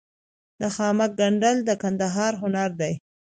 د خامک ګنډل د کندهار هنر دی.